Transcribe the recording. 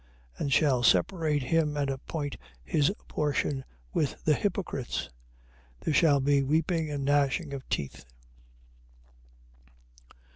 And shall separate him and appoint his portion with the hypocrites. There shall be weeping and gnashing of teeth.